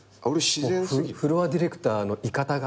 フロアディレクターの居方がもう。